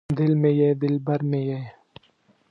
دل مې یې دلبر مې یې